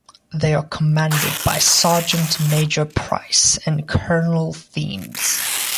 They are commanded by Sergeant Major Price and Colonel Themes.